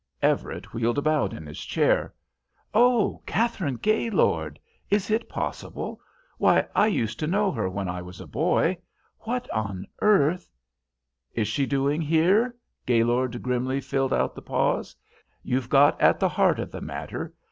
Everett wheeled about in his chair. "Oh! Katharine Gaylord! Is it possible! Why, I used to know her when I was a boy. What on earth " "Is she doing here?" Gaylord grimly filled out the pause. "You've got at the heart of the matter.